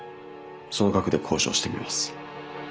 その額で交渉してみます。